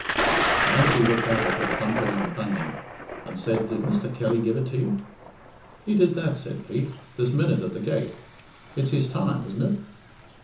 Nancy looked up at her thumping and thunging, and said, "Did Mr. Kelly give it you?" "He did that," said Pete, "this minute at the gate. It's his time, isn't it?"